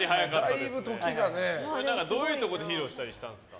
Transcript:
どういうところで披露したりしたんですか？